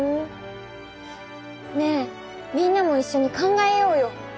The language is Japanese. ねえみんなもいっしょに考えようよ。